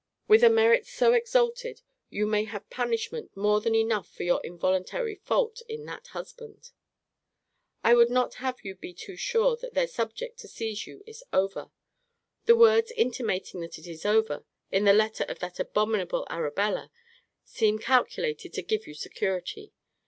With a merit so exalted, you may have punishment more than enough for your involuntary fault in that husband. I would not have you be too sure that their project to seize you is over. The words intimating that it is over, in the letter of that abominable Arabella, seem calculated to give you security.